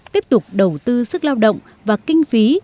tiếp tục đầu tư sức lao động và kinh phí